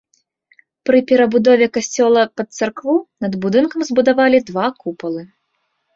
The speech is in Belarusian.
Пры перабудове касцёла пад царкву над будынкам збудавалі два купалы.